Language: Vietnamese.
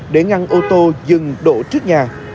để ngăn ô tô dừng đổ trước nhà